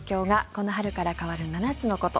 この春から変わる７つのこと。